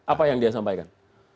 apa yang dia sampaikan